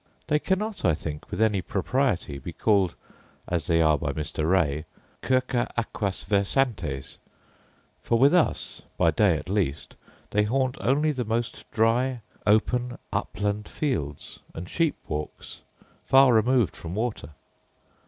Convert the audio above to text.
They cannot, I think, with any propriety, be called, as they are by Mr. Ray, 'circa aquas versantes'; for with us, by day at least, they haunt only the most dry, open, upland fields and sheep walks, far removed from water.